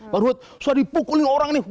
bang ruhut saya dipukul orang nih